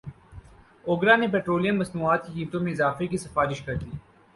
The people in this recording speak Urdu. اوگرا نے پیٹرولیم مصنوعات کی قیمتوں میں اضافے کی سفارش کردی